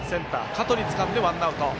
香取つかんでワンアウト。